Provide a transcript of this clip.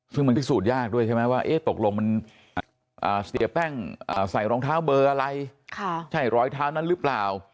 ซึ่งมันพิสูจนยากด้วยใช่ไหมว่าตกลงมันเสียแป้งใส่รองเท้าเบอร์อะไรใช่รอยเท้านั้นหรือเปล่า